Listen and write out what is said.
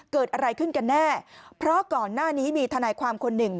เกิดอะไรขึ้นกันแน่เพราะก่อนหน้านี้มีทนายความคนหนึ่ง